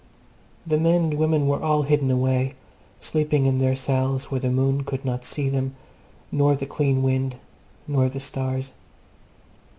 The men and women were all hidden away, sleeping in their cells, where the moon could not see them, nor the clean wind, nor the stars.